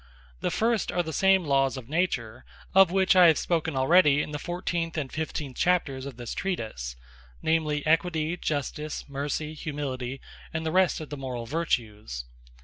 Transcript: The first are the same Lawes of Nature, of which I have spoken already in the 14. and 15. Chapters of this Treatise; namely, Equity, Justice, Mercy, Humility, and the rest of the Morall Vertues.